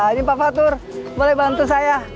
ini pak fatur boleh bantu saya